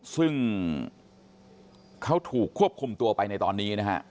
ซึ่งเขาถูกควบคุมตัวไปในตอนนี้นะฮะ